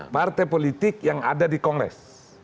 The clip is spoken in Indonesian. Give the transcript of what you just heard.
partai politik yang ada di kongres